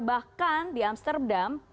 bahkan di amsterdam